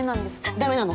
ダメなの。